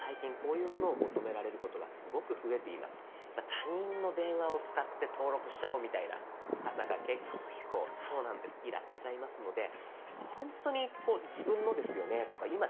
他人の電話を使って登録しちゃおうみたいな方が結構いらっしゃいますので「ほんとに自分のですよね？」とか「今手元にあるんですよね？」